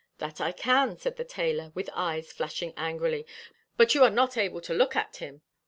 'That I can,' said the tailor, his eyes flashing angrily; 'but you are not able to look at him.'